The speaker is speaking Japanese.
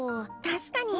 確かに。